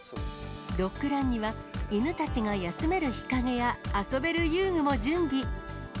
ドッグランには、犬たちが休める日陰や遊べる遊具も準備。